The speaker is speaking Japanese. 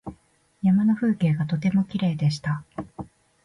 山の風景がとてもきれいでした。